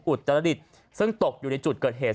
อุตรดิษฐ์ซึ่งตกอยู่ในจุดเกิดเหตุ